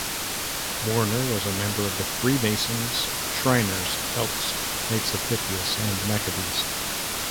Warner was a member of the Freemasons, Shriners, Elks, Knights of Pythias, and Maccabees.